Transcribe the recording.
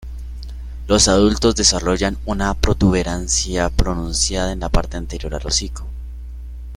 Los adultos desarrollan una protuberancia pronunciada en la parte anterior al hocico.